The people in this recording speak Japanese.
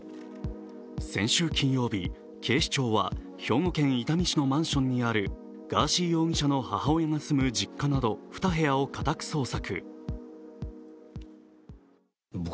先週金曜日、警視庁は兵庫県伊丹市のマンションにあるガーシー容疑者の母親が住む実家など２部屋を家宅捜索。